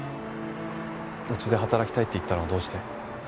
うちで働きたいって言ったのはどうして？